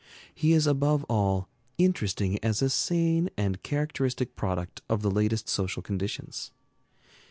He is above all interesting as a sane and characteristic product of the latest social conditions.